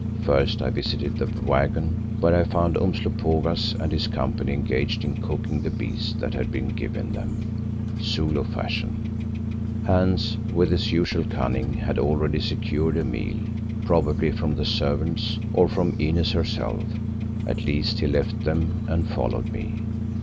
First I visited the waggon where I found Umslopogaas and his company engaged in cooking the beast that had been given them, Zulu fashion; Hans with his usual cunning had already secured a meal, probably from the servants, or from Inez herself; at least he left them and followed me.